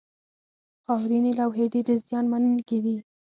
خاورینې لوحې ډېرې زیان منونکې دي.